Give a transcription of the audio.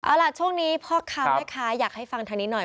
เอาล่ะช่วงนี้พ่อค้าแม่ค้าอยากให้ฟังทางนี้หน่อย